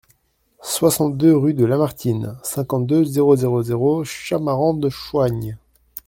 soixante-deux rue de Lamartine, cinquante-deux, zéro zéro zéro, Chamarandes-Choignes